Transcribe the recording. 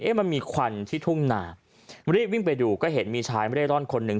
มันมีควันที่ทุ่งนารีบวิ่งไปดูก็เห็นมีชายไม่ได้ร่อนคนหนึ่ง